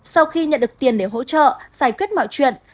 sau khi nhận được tiền để hỗ trợ giải quyết mọi chuyện